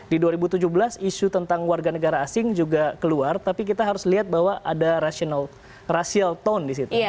di dua ribu tujuh belas isu tentang warga negara asing juga keluar tapi kita harus lihat bahwa ada rasial tone di situ